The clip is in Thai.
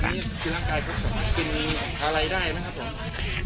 ตอนนี้ที่ร่างกายพวกผมกินอะไรได้นะครับผม